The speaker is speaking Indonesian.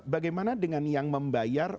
bagaimana dengan yang membayar